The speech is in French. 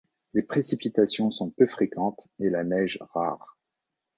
Les précipitations sont peu fréquentes et la neige rare.